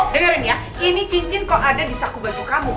dengarin ya ini cincin kok ada di saku batu kamu